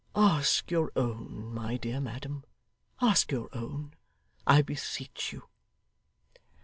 Ask your own, my dear madam. Ask your own, I beseech you.